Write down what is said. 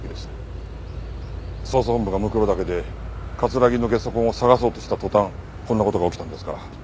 捜査本部が骸岳で木の下足痕を捜そうとした途端こんな事が起きたんですから。